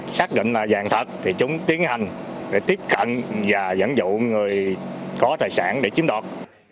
xác định là vàng thật thì chúng tiến hành để tiếp cận và dẫn dụ người có tài sản để chiếm đoạt